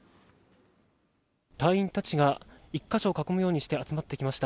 隊員たちが１か所を囲むようにして集まってきました。